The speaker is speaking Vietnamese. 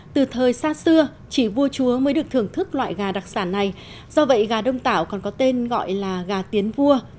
từ thời xa xưa chỉ vua chúa mới được thưởng thức loại gà đặc sản này do vậy gà đông tảo còn có tên gọi là gà tiến vua